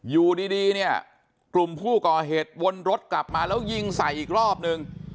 อยู่ดีเนี่ยกลุ่มผู้ก่อเหตุวนรถกลับมาแล้วยิงใส่อีกรอบนึง